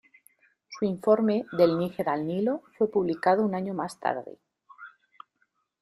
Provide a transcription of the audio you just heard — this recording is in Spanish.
Su informe "Del Níger al Nilo" fue publicado un año más tarde.